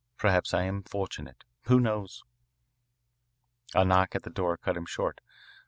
Perhaps I am fortunate. Who knows?" A knock at the door cut him short.